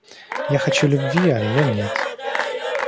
Я хочу любви, а ее нет.